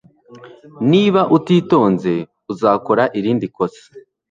Niba utitonze uzakora irindi kosa